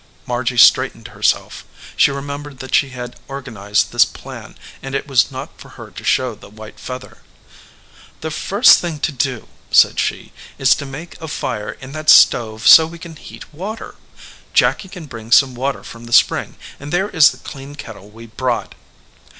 Margy straightened herself. She remembered that she had organized this plan, and it was not for her to show the white feather. "The first thing to do," said she, "is to make a fire in that stove so we can heat water. Jacky can bring some water from the spring, and there is the clean kettle we brought."